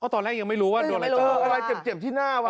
อ้อตอนแรกยังไม่รู้ว่าโดนอะไรเจ็บที่หน้าวะ